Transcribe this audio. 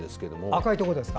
赤いところですか？